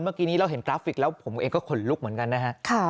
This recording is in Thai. เมื่อกี้นี้เราเห็นกราฟิกแล้วผมเองก็ขนลุกเหมือนกันนะฮะ